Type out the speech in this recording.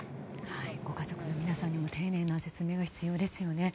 ご家族の皆さんには丁寧な説明が必要ですね。